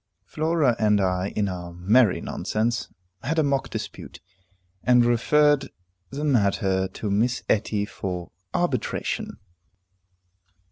Flora and I, in our merry nonsense, had a mock dispute, and referred the matter to Miss Etty for arbitration.